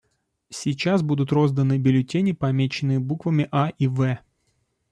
Сейчас будут розданы бюллетени, помеченные буквами «А» и «В».